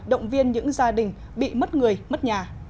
động viên những gia đình bị mất người mất nhà